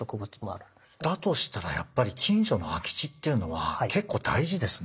だとしたらやっぱり近所の空き地っていうのは結構大事ですね。